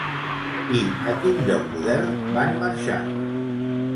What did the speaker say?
I a quin lloc modern van marxar?